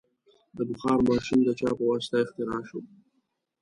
د بخار ماشین د چا په واسطه اختراع شو؟